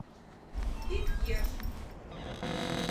Ик еш!